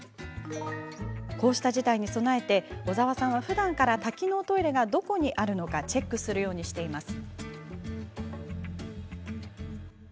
こうした事態に備えて小澤さんは、ふだんから多機能トイレがどこにあるのかチェックするようにしています。